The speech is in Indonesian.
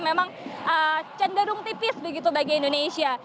memang cenderung tipis begitu bagi indonesia